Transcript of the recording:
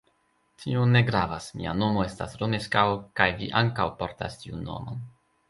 Tio ne gravas, mia nomo estas Romeskaŭ kaj vi ankaŭ portas tiun nomon.